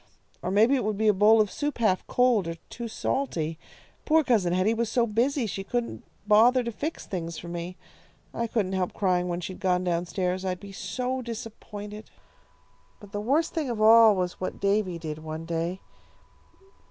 Or maybe it would be a bowl of soup half cold, or too salty. Poor Cousin Hetty was so busy she couldn't bother to fix things for me. I couldn't help crying when she'd gone down stairs. I'd be so disappointed. "But the worst thing of all was what Davy did one day.